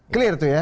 clear itu ya